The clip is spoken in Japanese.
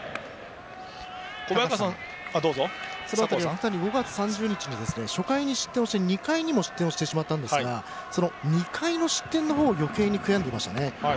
福谷は５月３０日の初回に失点をして２回にも失点をしてしまったんですがその２回の失点の方を悔やんでいましたね。